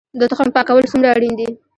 د تخم پاکول څومره اړین دي؟